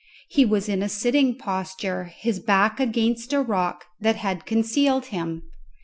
He was in a sitting posture, his back against a rock that had concealed him.